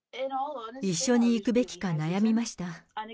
一緒に行くべきか悩みました。